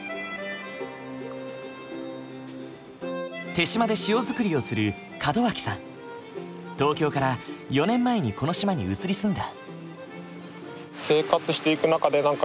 豊島で塩作りをする東京から４年前にこの島に移り住んだ。